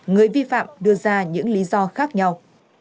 người vi phạm đưa ra những lý do khác nhau